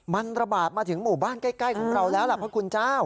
มันระบาดมาถึงหมู่บ้านใกล้ของเราแล้วล่ะพระคุณเจ้า